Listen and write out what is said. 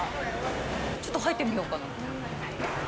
ちょっと入ってみようかな。